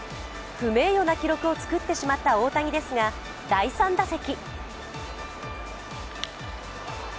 不名誉な記録を作ってしまった大谷ですが、第３打席。